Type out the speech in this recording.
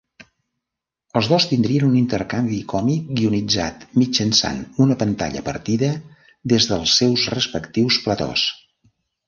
Els dos tindrien un intercanvi còmic guionitzat mitjançant una pantalla partida des dels seus respectius platós.